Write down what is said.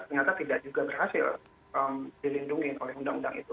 ternyata tidak juga berhasil dilindungi oleh undang undang itu